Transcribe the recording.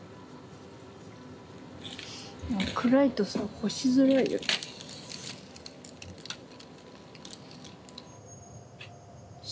暗いとさ干しづらいよね。